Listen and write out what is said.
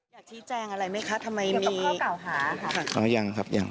อยากิ้งแจ้งอะไรไหมคะทำไมมีเข้าเก่าหาค่ะอ้อยังครับ